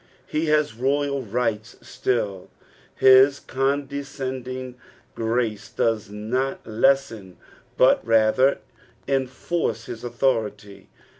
'^ Ho has royal rights still ; his condescending grace does not lessen but rather enforce hia authority.